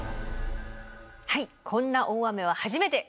はい「こんな大雨は初めて」。